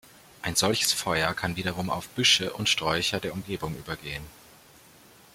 Ein solches Feuer kann wiederum auf Büsche und Sträucher der Umgebung übergehen.